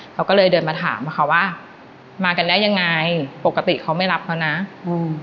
เขาก็เลยเดินมาถามอะค่ะว่ามากันได้ยังไงปกติเขาไม่รับเขานะอืม